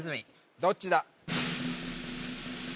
どっちだ？